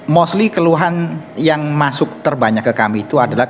mostly keluhan yang masuk terbanyak ke kami itu adalah